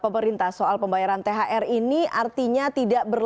terima kasih bu dinar